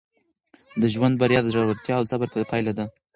د ژوند بریا د زړورتیا او صبر پایله ده.